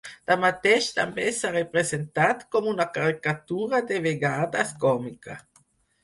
Tanmateix també se l'ha representat com una caricatura de vegades còmica.